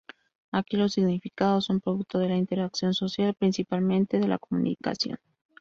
Aquí los significados son producto de la interacción social, principalmente de la comunicación.